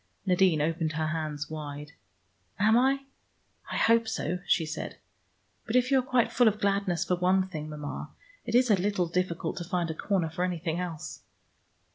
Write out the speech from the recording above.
Nadine opened her hands wide. "Am I? I hope so," she said. "But if you are quite full of gladness for one thing, Mama, it is a little difficult to find a corner for anything else."